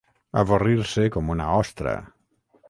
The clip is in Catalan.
Avorrir-se com una ostra.